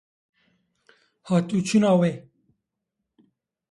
hatûçûna wê